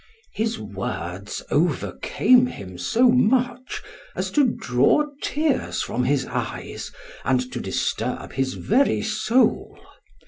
His words overcame him so much, as to draw tears from his eyes, and to disturb his very soul.